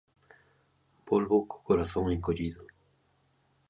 Volvo co corazón encollido.